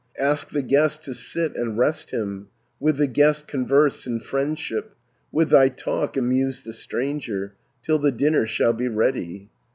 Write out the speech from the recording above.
"Ask the guest to sit and rest him, With the guest converse in friendship, 420 With thy talk amuse the stranger, Till the dinner shall be ready.